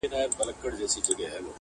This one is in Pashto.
د جلادانو له تېغونو بیا د ګور تر کلي!.